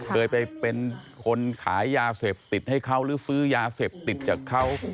เคยไปเป็นคนขายยาเสพติดให้เขาหรือซื้อยาเสพติดจากเขา